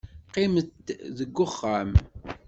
Qqimet deg uxxam.